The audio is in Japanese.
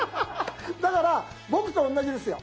だから僕と同じですよ。